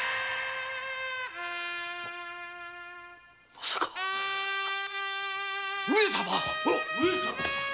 まさか上様⁉